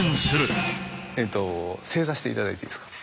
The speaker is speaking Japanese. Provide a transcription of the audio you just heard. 正座して頂いていいですか？